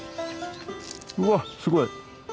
うわっすごい。